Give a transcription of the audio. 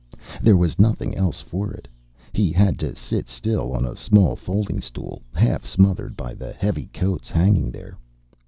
There was nothing else for it. He had to sit still on a small folding stool, half smothered by the heavy coats hanging there.